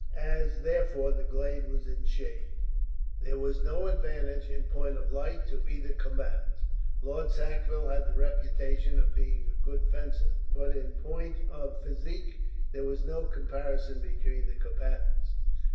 As, therefore, the glade was in shade, there was no advantage, in point of light, to either combatant. Lord Sackville had the reputation of being a good fencer, but in point of physique there was no comparison between the combatants.